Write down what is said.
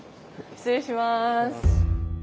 失礼します。